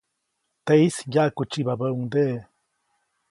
Teʼis ŋgyaʼkutsyibabäʼuŋdeʼe.